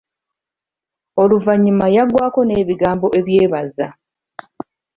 Oluvanyuma yagwako n'ebigambo ebyebaza.